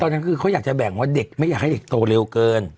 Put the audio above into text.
ตอนนั้นคือเขาอยากจะแบ่งว่าเด็กไม่อยากให้เด็กโตเร็วเกิน